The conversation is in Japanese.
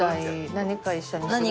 何か一緒に。